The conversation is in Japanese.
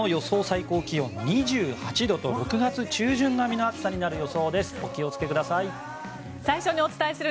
最高気温２８度と６月中旬並みの暑さになる予想です。